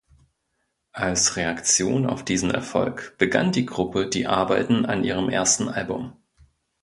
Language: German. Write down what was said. Als Reaktion auf diesen Erfolg begann die Gruppe die Arbeiten an ihrem ersten Album.